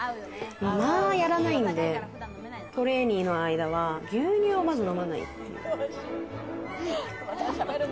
まぁ、やらないんで、トレーニーの間は、牛乳をまず飲まない。